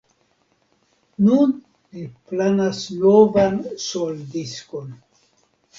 Nun li planas novan soldiskon.